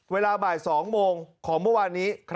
เวลาบ่าย๒โมงของเมื่อวานนี้